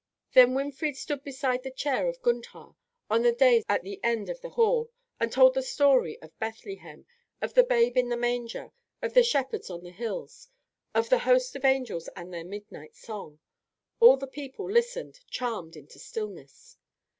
Then Winfried stood beside the chair of Gundhar, on the dais at the end of the hall, and told the story of Bethlehem; of the babe in the manger, of the shepherds on the hills, of the host of angels and their midnight song. All the people listened, charmed into stillness.